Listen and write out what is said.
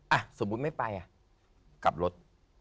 อ่ะสมมุติไม่ไปอ่ะกลับรถ